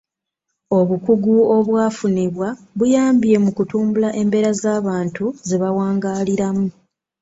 Obukugu obwafunibwa buyambye mu kutumbula embeera z'abantu ze bawangaaliramu.